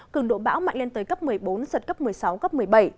cường độ bão mạnh lên tới cấp một mươi bốn giật cấp một mươi sáu cấp một mươi bảy